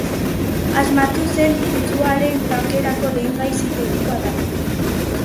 Asmatu zen kautxuaren tankerako lehen gai sintetikoa da.